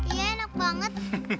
iya enak banget